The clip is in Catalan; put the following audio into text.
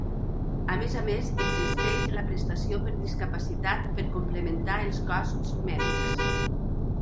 A més a més, existeix la prestació per discapacitat, per complementar els costs mèdics.